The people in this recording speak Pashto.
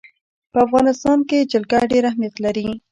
په افغانستان کې جلګه ډېر اهمیت لري.